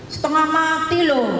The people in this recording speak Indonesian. setengah mati loh